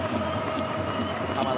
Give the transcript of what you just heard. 鎌田